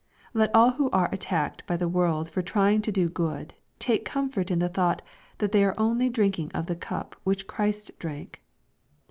Let all who are attacked by the world for trying to do good, take comfort in the thought that they are only drinking of the cup which Christ drank.